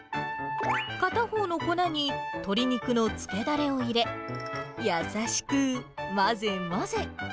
片方の粉に鶏肉の漬けだれを入れ、優しく混ぜ混ぜ。